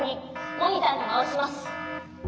モニターにまわします！